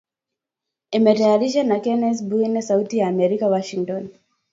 Imetayarishwa na Kennes Bwire sauti ya amerika Washington